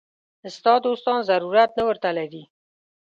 ستا دوستان ضرورت نه ورته لري.